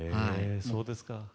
そうですか。